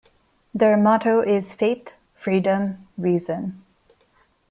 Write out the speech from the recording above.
Their motto is Faith, Freedom, Reason.